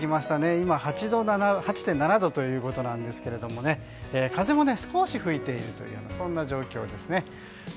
今、８．７度ということですが風も少し吹いているというそんな状況ですね。